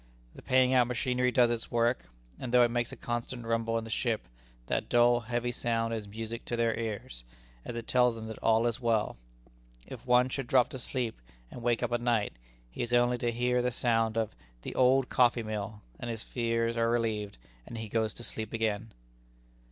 The paying out machinery does its work, and though it makes a constant rumble in the ship, that dull, heavy sound is music to their ears, as it tells them that all is well. If one should drop to sleep, and wake up at night, he has only to hear the sound of "the old coffee mill," and his fears are relieved, and he goes to sleep again.